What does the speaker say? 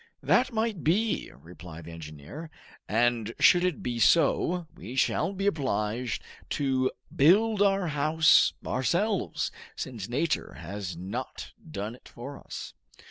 "That might be," replied the engineer, "and should it be so we shall be obliged to build our house ourselves, since nature has not done it for us."